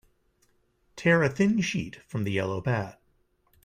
Tear a thin sheet from the yellow pad.